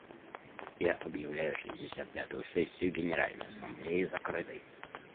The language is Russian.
Я объявляю шестьдесят пятую сессию Генеральной Ассамблеи закрытой.